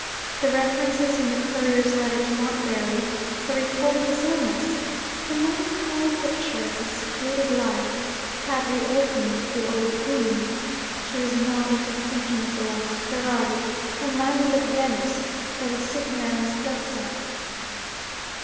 The references in the courier's letter to Montbarry the report of his illness, the melancholy picture of his secluded life had reopened the old wound. She was not even thinking of the lost Ferrari; her mind was at Venice, by the sick man's bedside.